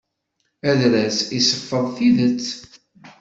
Adras iseffeḍ tidet.